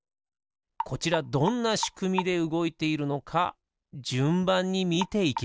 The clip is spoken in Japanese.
こちらどんなしくみでうごいているのかじゅんばんにみていきましょう。